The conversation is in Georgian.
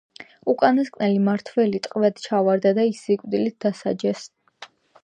უკანასკნელი მმართველი ტყვედ ჩავარდა და ის სიკვდილით დასაჯეს.